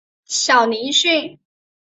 小林旭。